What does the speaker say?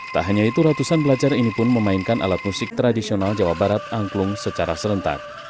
tak hanya itu ratusan pelajar ini pun memainkan alat musik tradisional jawa barat angklung secara serentak